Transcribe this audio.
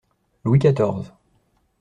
Louis quatorze.